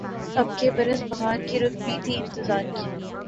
اب کے برس بہار کی‘ رُت بھی تھی اِنتظار کی